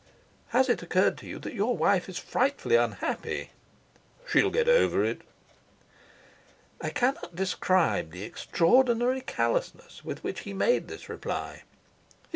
"Has it occurred to you that your wife is frightfully unhappy?" "She'll get over it." I cannot describe the extraordinary callousness with which he made this reply.